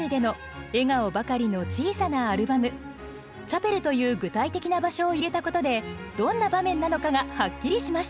「チャペル」という具体的な場所を入れたことでどんな場面なのかがはっきりしました。